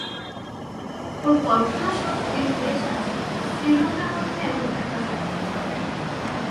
ওঁর কল্পনাশক্তি বেশ আছে, স্ত্রীলোকের মধ্যে এমন দেখা যায় না।